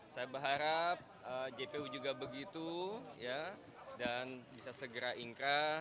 saya berharap jpu juga begitu dan bisa segera ingkrah